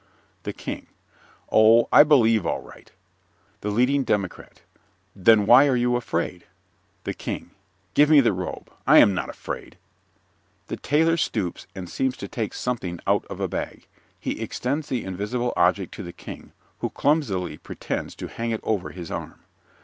THE KING Oh, I believe all right. THE LEADING DEMOCRAT Then why are you afraid? THE KING Give me the robe. I am not afraid. (_The Tailor stoops and seems to take something out of a bag. He extends the invisible object to the King, who clumsily pretends to hang it over his arm.